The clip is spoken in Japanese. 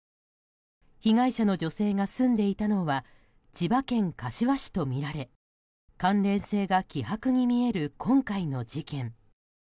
被害者の女性が住んでいたのは千葉県柏市とみられ関連性が希薄に見える今回の事件。